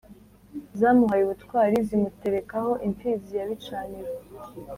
Zamuhaye ubutwar Zimuterekaho imfizi ya Bicaniro